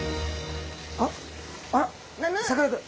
あっあらさかなクン！